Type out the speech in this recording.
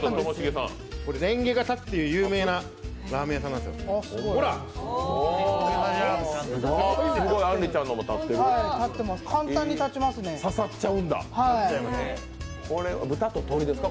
これれんげが立つっていう有名なラーメン屋さんなんです。